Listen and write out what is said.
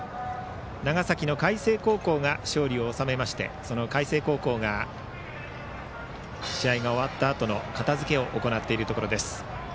長崎の海星高校が勝利を収めましてその海星高校が試合が終わったあとの片づけを行っているところです。